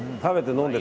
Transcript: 飲んで！